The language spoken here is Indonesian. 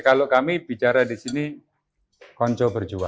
kalau kami bicara di sini konco berjual